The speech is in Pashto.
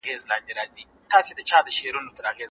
له درواغو ویلو څخه کلکه ډډه وکړئ.